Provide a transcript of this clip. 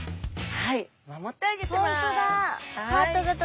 はい！